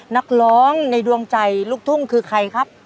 นักร้องในดวงใจลูกทุ่งคือใครครับ